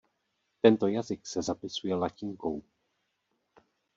Tento jazyk se zapisuje latinkou.